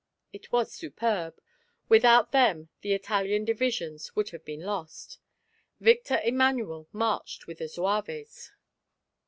It was superb; without them the Italian divisions would have been lost. Victor Emmanuel marched with the zouaves.